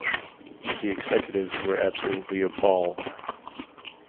The executives were absolutely appalled.